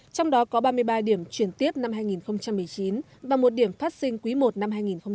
trong đó có ba mươi ba điểm chuyển tiếp năm hai nghìn một mươi chín và một điểm phát sinh quý i năm hai nghìn hai mươi